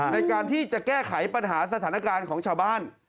ในการที่จะแก้ไขปัญหาสถานการณ์ของชาวบ้าน